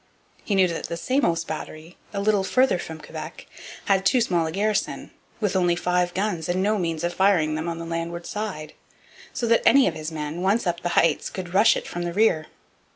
He knew that the Samos battery, a little farther from Quebec, had too small a garrison, with only five guns and no means of firing them on the landward side; so that any of his men, once up the heights, could rush it from the rear.